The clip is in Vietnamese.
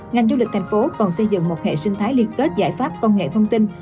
ngành du lịch thành phố còn xây dựng một hệ sinh thái liên kết giải pháp công nghệ thông tin